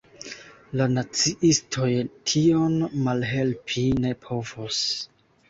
La naciistoj tion malhelpi ne povos.